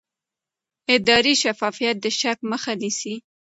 اداري شفافیت د شک مخه نیسي